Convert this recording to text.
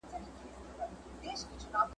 هوکې په داستان کې د ماشومانو انځورونه شته.